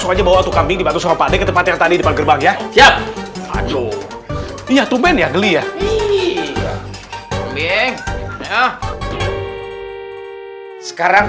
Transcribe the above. dengaman orang orang di bidang perbanlikemu tadi ongkar kabur dan baka memesan karambir khluks aurangge bayam bohong bongshank siang